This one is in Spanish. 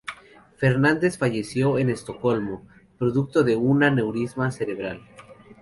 Fernández falleció en Estocolmo, producto de un aneurisma cerebral.